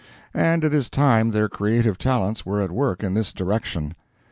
And it is time their creative talents were at work in this direction.